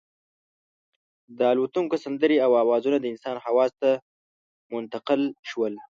د الوتونکو سندرې او اوازونه د انسان حواسو ته منتقل شول.